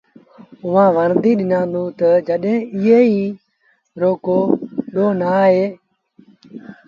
اُئآݩٚ ورنديٚ ڏنآندونٚ تا، ”جيڪڏهينٚ ايٚئي رو ڪو ڏوه نآ هوئي هآ تا